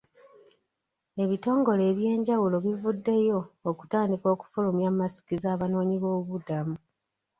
Ebitongole eby'enjawulo bivuddeyo okutandika okufulumya masiki z'abanoonyi b'obubudamu.